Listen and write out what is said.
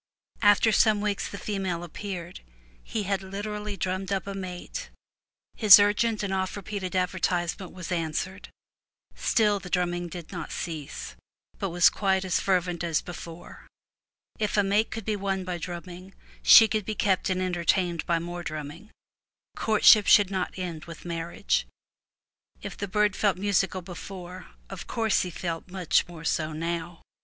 After some weeks the female appeared; he had literally drummed up a mate; his urgent and oft repeated advertisement was answered. Still the drumming did not cease, but was quite as fervent as before. If a mate could be won by drumming she could be kept and enter tained by more drumming; courtship should not end with mar riage. If the bird felt musical before, of course he felt much more so now.